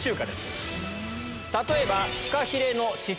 例えば。